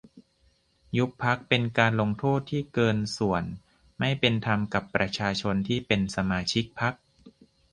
ยุบพรรคเป็นการลงโทษที่เกินส่วน ไม่เป็นธรรมกับประชาชนที่เป็นสมาชิกพรรค